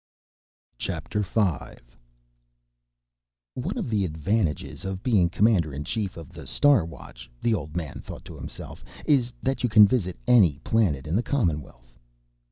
V One of the advantages of being Commander in Chief of the Star Watch, the old man thought to himself, is that you can visit any planet in the Commonwealth.